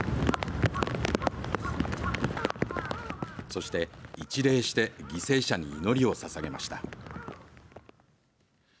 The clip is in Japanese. そして一礼して犠牲者に祈りをささげました。